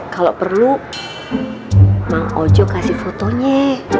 kalo perlu emang ojok kasih fotonya